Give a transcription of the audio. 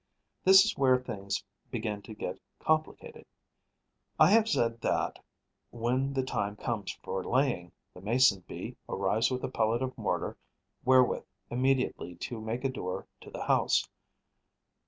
This is where things begin to get complicated. I have said that, when the time comes for laying, the Mason bee arrives with a pellet of mortar wherewith immediately to make a door to the house.